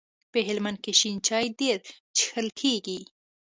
په هلمند کي شنې چاي ډيري چیښل کیږي.